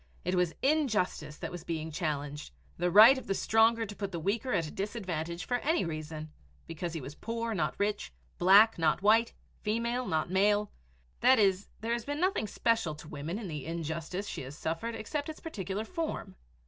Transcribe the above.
It was injustice that was being challenged the right of the stronger to put the weaker at a disadvantage for any reason because he was poor, not rich; black, not white; female, not male, that is, there has been nothing special to women in the injustice she has suffered except its particular form.